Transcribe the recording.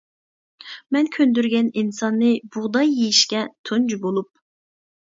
مەن كۆندۈرگەن ئىنساننى بۇغداي يېيىشكە تۇنجى بولۇپ.